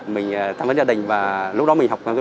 mình tham vấn gia đình và lúc đó mình học